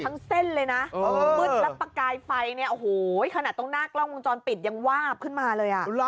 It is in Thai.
มึดและประกายไฟโอ้โหขนาดต้องน่ากล้องวางจอนปิดยังวาบขึ้นมาเลยอ่ะ